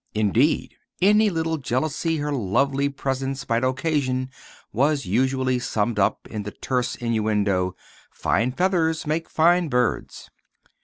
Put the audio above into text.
Indeed, any little jealousy her lovely presence might occasion was usually summed up in the terse innuendo, "Fine feathers make fine birds."